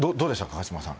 川島さん